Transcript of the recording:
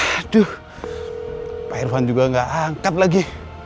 aduh pak irvan juga gak angkat lagi